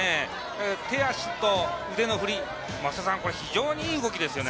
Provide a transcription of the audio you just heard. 手足と腕の振り、これは非常にいい動きですよね。